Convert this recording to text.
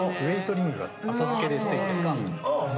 リングが後付けで付いてるんです。